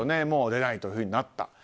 もう出ないとなった。